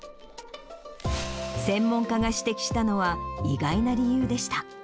専門家が指摘したのは、意外な理由でした。